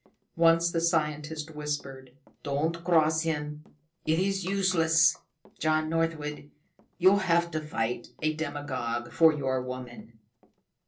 Once the scientist whispered: "Don't cross him; it is useless. John Northwood, you'll have to fight a demigod for your woman!"